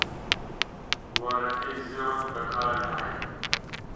گوارەکەی زێڕت بەکار نایە